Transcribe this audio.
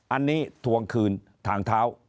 อันนี้ทวงคืนทางเท้า